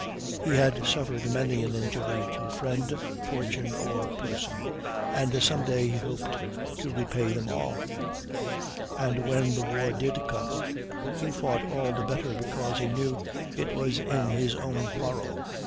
He had suffered many an injury to friend, fortune, or person, and some day he hoped to repay them all; and when the war did come, he fought all the better because he knew it was in his own quarrel.